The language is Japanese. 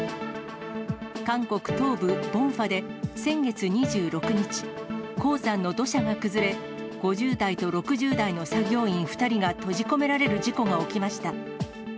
韓国東部ボンファで先月２６日、鉱山の土砂が崩れ、５０代と６０代の作業員２人が閉じ込められる事故が起きました。